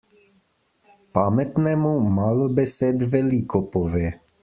Pametnemu malo besed veliko pove.